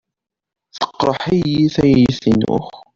Teqreḥ-iyi tayet-inu.